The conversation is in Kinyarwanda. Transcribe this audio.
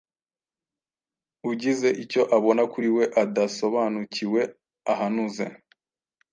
ugize icyo abona kuri we adasobanukiwe ahanuze